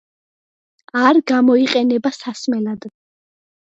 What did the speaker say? არ გამოიყენება სასმელად.